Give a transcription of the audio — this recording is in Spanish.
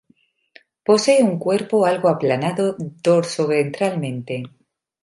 Posee un cuerpo algo aplanado dorsoventralmente.